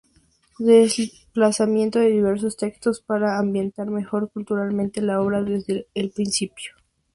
Desplazamiento de diversos textos para ambientar mejor culturalmente la obra desde el principio.